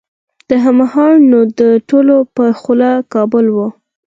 دا مهال نو د ټولو په خوله کابل و.